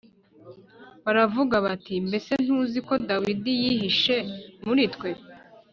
baravuga bati “Mbese ntuzi ko Dawidi yihishe muri twe”